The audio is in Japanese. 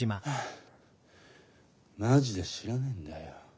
マジで知らねえんだよ。